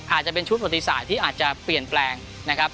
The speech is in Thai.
อาจจะเป็นชุดประติศาสตร์ที่อาจจะเปลี่ยนแปลงนะครับ